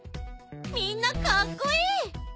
みんなかっこいい！